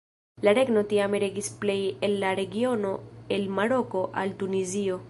La regno tiame regis plej el la regiono el Maroko al Tunizio.